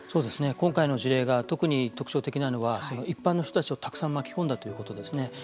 今回の事例が特に特徴的なのは一般の人たちをたくさん巻き込んだということですね。